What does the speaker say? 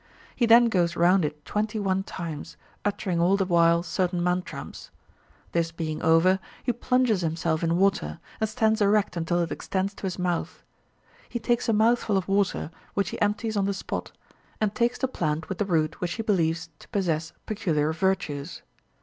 He then goes round it twenty one times, uttering all the while certain mantrams. This being over, he plunges himself in water, and stands erect until it extends to his mouth. He takes a mouthful of water which he empties on the spot, and takes the plant with the root which he believes to possess peculiar virtues.